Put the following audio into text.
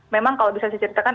memang kalau bisa diceritakan